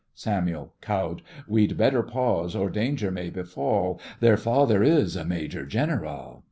SAMUEL: (cowed) We'd better pause, or danger may befall, Their father is a Major General.